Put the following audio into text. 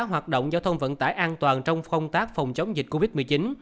hoạt động giao thông vận tải an toàn trong công tác phòng chống dịch covid một mươi chín